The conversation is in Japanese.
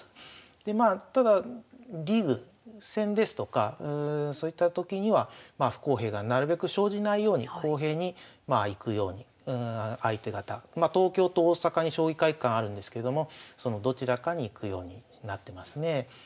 でまあただリーグ戦ですとかそういったときには不公平がなるべく生じないように公平にまあいくように相手方まあ東京と大阪に将棋会館あるんですけどもそのどちらかに行くようになってますね。